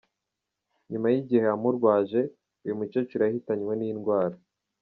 Nyuma y’igihe amurwaje, uyu mukecuru yahitanywe n’indwara.